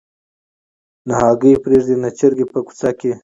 نه هګۍ پرېږدي نه چرګه په کوڅه کي